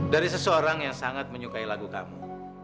dari seseorang yang sangat menyukai lagu kamu